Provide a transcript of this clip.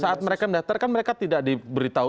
saat mereka mendaftar kan mereka tidak diberitahu